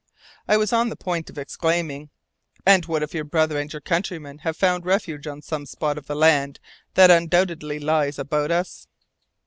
I was on the point of exclaiming: "And what if your brother and your countrymen have found refuge on some spot of the land that undoubtedly lies about us?"